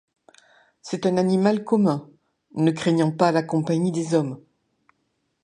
C'est un animal commun, ne craignant pas la compagnie des hommes.